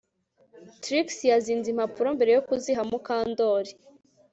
Trix yazinze impapuro mbere yo kuziha Mukandoli